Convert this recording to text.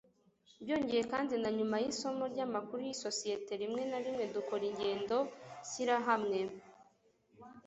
Byongeye kandi na nyuma yisomo ryamakuru yisosiyete rimwe na rimwe dukora ingendo shirahamwe